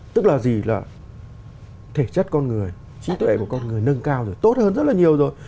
tức là gì là thể chất con người trí tuệ của con người nâng cao rồi tốt hơn rất là nhiều rồi